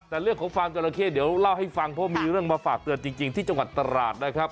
แต่เรื่องของฟาร์มจราเข้เดี๋ยวเล่าให้ฟังเพราะมีเรื่องมาฝากเตือนจริงที่จังหวัดตราดนะครับ